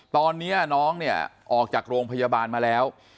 ตอนนี้น้องเนี่ยออกจากโรงพยาบาลมาแล้ว